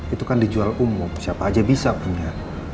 itu kan dijual umum siapa aja bisa punya